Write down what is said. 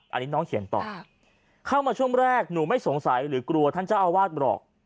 อันนี้น้องเขียนต่อเข้ามาช่วงแรกหนูไม่สงสัยหรือกลัวท่านเจ้าอาวาสบอก